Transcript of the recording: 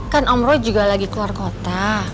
kan om roy juga lagi keluar kota